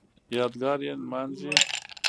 یادګار یې نمانځي